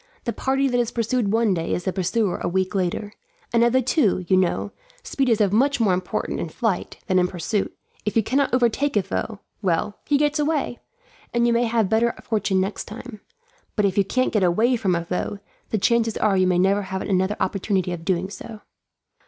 The party that is pursued one day is the pursuer a week later; and of the two, you know, speed is of much more importance in flight than in pursuit. If you cannot overtake a foe, well, he gets away, and you may have better fortune next time; but if you can't get away from a foe, the chances are you may never have another opportunity of doing so."